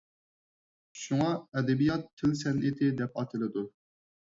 شۇڭا ئەدەبىيات تىل سەنئىتى دەپ ئاتىلىدۇ.